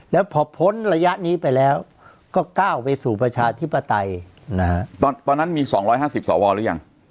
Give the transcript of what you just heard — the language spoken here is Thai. แล้วผ่อผลระยะนี้ไปแล้วก็ก้าวไปสู่ประชาธิปไตยนะฮะตอนตอนนั้นมีสองร้อยห้าสิบสวรรค์หรือยัง